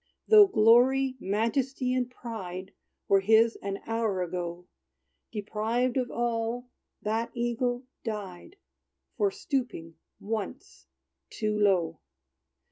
Though glory, majesty, and pride Were his an hour ago, Deprived of all, that eagle died, For stooping once too low!